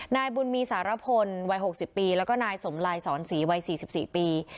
นายบุญมีสารพลวัยหกสิบปีแล้วก็นายสมลายสอนศรีวัยสี่สิบสี่ปี